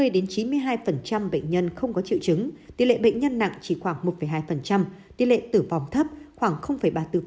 bệnh nhân không có triệu chứng tỉ lệ bệnh nhân nặng chỉ khoảng một hai tỉ lệ tử vong thấp khoảng